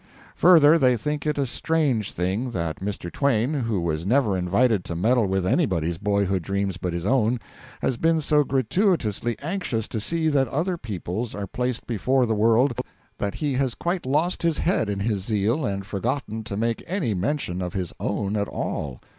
Further, they think it a strange thing that Mr. Twain, who was never invited to meddle with anybody's boyhood dreams but his own, has been so gratuitously anxious to see that other people's are placed before the world that he has quite lost his head in his zeal and forgotten to make any mention of his own at all.